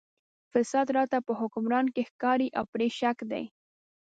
فساد راته په حکمران کې ښکاري او پرې شک دی.